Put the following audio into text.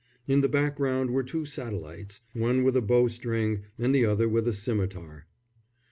In the background were two satellites, one with a bow string and the other with a scimitar.